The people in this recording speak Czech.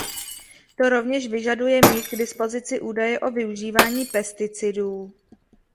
To rovněž vyžaduje mít k dispozici údaje o využívání pesticidů.